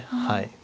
はい。